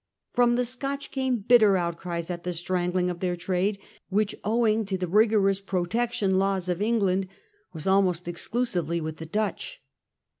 From the Scotch came bitter outcries at the strangling of their trade, which, owing to the rigorous protection laws of England, was almost exclusively with the Dutch.